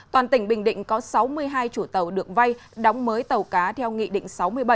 toàn tỉnh bình định có sáu mươi hai chủ tàu được vay đóng mới tàu cá theo nghị định sáu mươi bảy